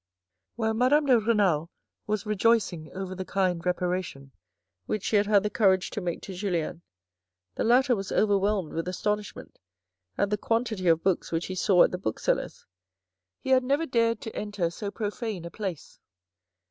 While Madame de Renal was rejoicing over the kind reparation which she had had the courage to make to Julien, the latter was overwhelmed with astonishment at the quantity of books which he saw at the bookseller's. He had never dared to enter so profane a place.